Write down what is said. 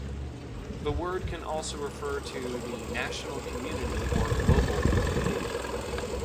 The word can also refer to the national community or global community.